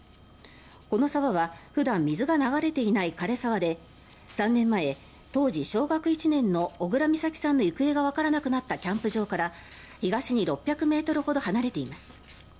この沢は普段水が流れていないかれ沢で３年前、当時小学１年の小倉美咲さんの行方がわからなくなったキャンプ場から東に６００ｍほど離れています。